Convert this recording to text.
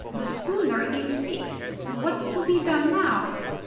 The schooner is fixed. What's to be done now?"